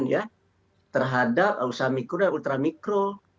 dan itu adalah afirmatif action terhadap usaha mikro dan ultramikro